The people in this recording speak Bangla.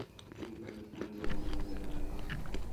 তিনি পাকিস্তানের গভর্নর জেনারেল হন।